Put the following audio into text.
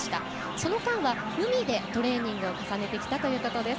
その間は海でトレーニングを重ねてきたということです。